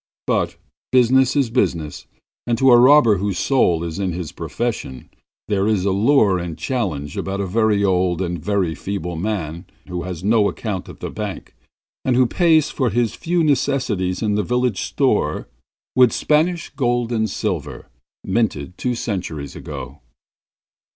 But business is business, and to a robber whose soul is in his profession, there is a lure and a challenge about a very old and very feeble man who has no account at the bank, and who pays for his few necessities at the village store with Spanish gold and silver minted two centuries ago.